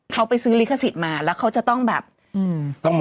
เขาไปซื้อลิขสิทธิ์มาแล้วเขาจะต้องแบบอืม